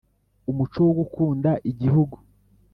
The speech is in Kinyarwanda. umuco wo gukunda Igihugu